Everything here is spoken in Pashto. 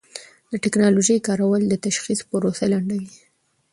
د ټېکنالوژۍ کارول د تشخیص پروسه لنډوي.